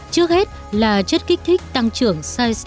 trước hết là chất kích thích tăng trưởng